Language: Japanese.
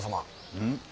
うん？